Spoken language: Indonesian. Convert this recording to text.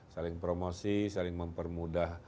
saling promosi saling mempermudah